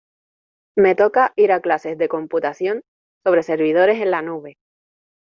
Me toca ir a clases de computación sobre servidores en la nube